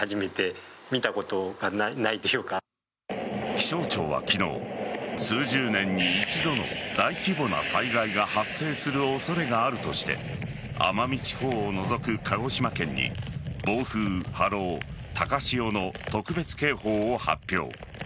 気象庁は昨日数十年に一度の大規模な災害が発生する恐れがあるとして奄美地方を除く鹿児島県に暴風、波浪、高潮の特別警報を発表。